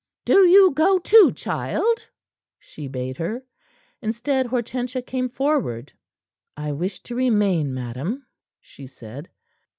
"Do you go, too, child," she bade her. Instead, Hortensia came forward. "I wish to remain, madam," she said.